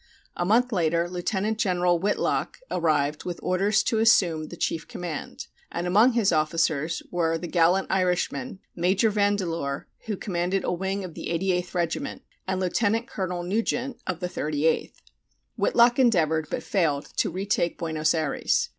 A month later Lieutenant General Whitelock arrived with orders to assume the chief command, and among his officers were the gallant Irishmen, Major Vandeleur, who commanded a wing of the 88th Regiment, and Lieutenant Colonel Nugent, of the 38th. Whitelock endeavored, but failed, to retake Buenos Ayres.